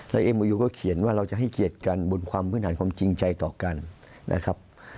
และเอโมยูก็เขียนว่าเราจะให้เกียรติกันบนความพื้นฐานความจริงใจต่อกันนะครับ